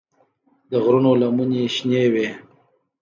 د غرونو لمنې شنه وې.